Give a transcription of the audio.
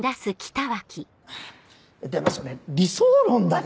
でもそれ理想論だから！